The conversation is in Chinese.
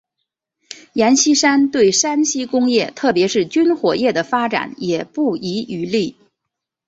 阎锡山对山西工业特别是军火业的发展也不遗余力。